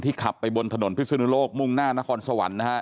ที่ขับไปบนถนดพิธรโลกมุ่งหน้านะฮ๙๑นะห้ะ